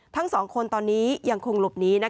ทั้ง๒คนตอนนี้ยังคงหลบหนี